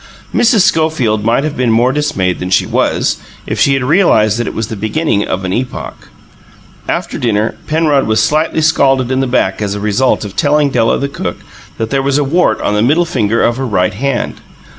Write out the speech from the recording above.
Mrs. Schofield might have been more dismayed than she was, if she had realized that it was the beginning of an epoch. After dinner, Penrod was slightly scalded in the back as the result of telling Della, the cook, that there was a wart on the middle finger of her right hand.